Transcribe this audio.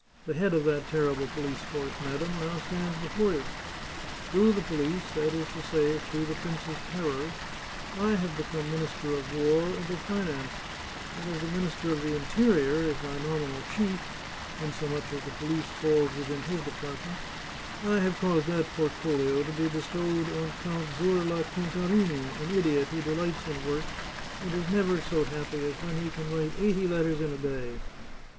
The head of that terrible police force, madam, now stands before you. Through the police — that is to say, through the prince's terrors — I have become Minister of War and of Finance ; and as the Minister of the Interior is my nominal chief — insomuch as the police falls within his department — I have caused that portfolio to be bestowed on Count Zurla Contarini, an idiot who delights in work, and is never so Ii6 The Chartreuse of Parma happy as when he can write eighty letters in a day.